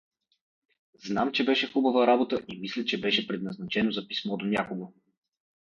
Знам, че беше хубава работа, и мисля, че беше предназначено за писмо до някого.